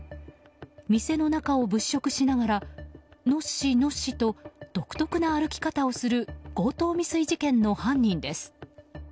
店の中を物色しながらのっしのっしと独特な歩き方をする強盗未遂事件の犯人です。